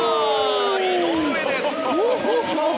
井上です。